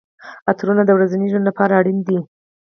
عطرونه د ورځني ژوند لپاره اړین دي.